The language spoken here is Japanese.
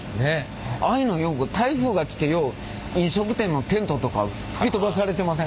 ああいうのよく台風が来てよう飲食店のテントとか吹き飛ばされてません？